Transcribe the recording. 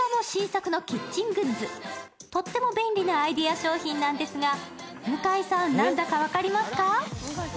とっても便利なアイデア商品なんですが、向井さん、何だか分かりますか？